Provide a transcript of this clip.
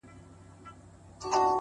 • په شل ځله د دامونو د شلولو,